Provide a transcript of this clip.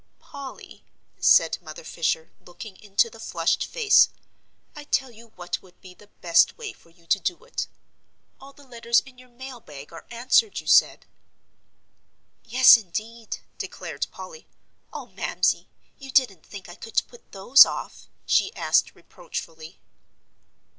"Polly," said Mother Fisher, looking into the flushed face, "I tell you what would be the best way for you to do. All the letters in your mail bag are answered, you said?" "Yes, indeed," declared Polly. "Oh, Mamsie, you didn't think I could put those off?" she asked reproachfully.